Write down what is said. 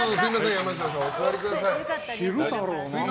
山下さん、お座りください。